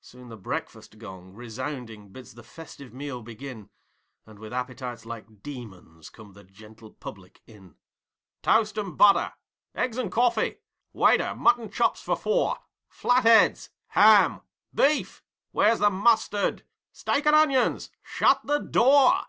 Soon the breakfast gong resounding bids the festive meal begin, And, with appetites like demons, come the gentle public in. 'Toast and butter!' 'Eggs and coffee!' 'Waiter, mutton cops for four!' 'Flatheads!' 'Ham!' 'Beef!' 'Where's the mustard?' 'Steak and onions!' 'Shut the door!'